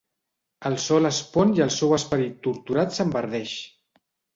El sol es pon i el seu esperit torturat s'enverdeix.